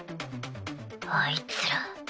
あいつら。